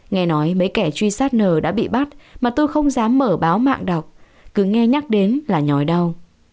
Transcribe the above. nghe nói mấy kẻ truy sát nờ đã bị bắt mà tôi không dám mở báo mạng đọc cứ nghe nhắc đến là nhòi đau